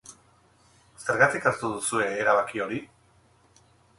Zergatik hartu duzue erabaki hori?